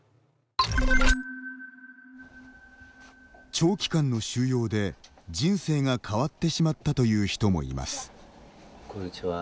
長期間の収容で人生が変わってしまったという人もいます。